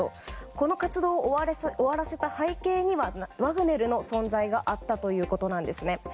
この活動を終わらせた背景にはワグネルの存在があったということなんですね。